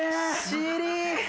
尻。